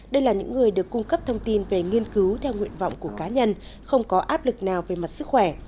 đây là những người được cung cấp thông tin về nghiên cứu theo nguyện vọng của cá nhân không có áp lực nào về mặt sức khỏe